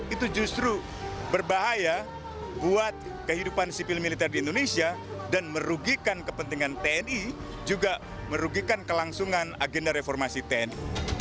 itu justru berbahaya buat kehidupan sipil militer di indonesia dan merugikan kepentingan tni juga merugikan kelangsungan agenda reformasi tni